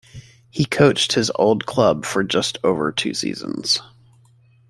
He coached his old club for just over two seasons.